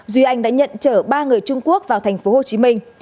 duy anh đã nhận chở ba người trung quốc vào thành phố hồ chí minh